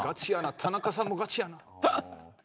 田中さんもガチやな。